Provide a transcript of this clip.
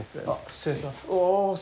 失礼します。